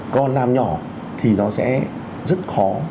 còn làm nhỏ thì nó sẽ rất khó